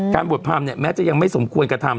บวชพรรมเนี่ยแม้จะยังไม่สมควรกระทำ